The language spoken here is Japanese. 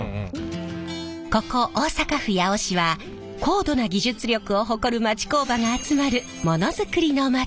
ここ大阪府八尾市は高度な技術力を誇る町工場が集まるものづくりの町。